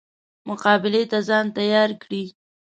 مقابلې ته ځان تیار کړي.